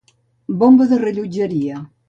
Bomba de rellotgeria.